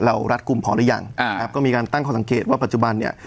รัดกลุ่มพอหรือยังอ่าครับก็มีการตั้งข้อสังเกตว่าปัจจุบันเนี่ย